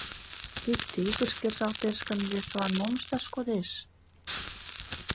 Икте ӱпыш кержалтеш гын, весылан мом ышташ кодеш?